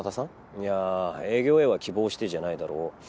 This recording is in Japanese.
いや営業へは希望してじゃないだろ。